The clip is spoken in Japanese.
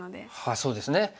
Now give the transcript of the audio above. そうですね。